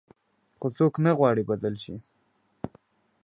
خو څوک نه غواړي بدل شي.